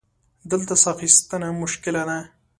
دلته سا اخیستنه مشکله ده.